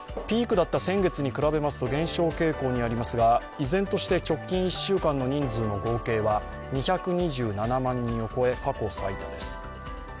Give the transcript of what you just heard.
ピークだった先月に比べますと減少傾向にありますが依然として直近１週間の人数の合計は２２７万人を超え過去最多です。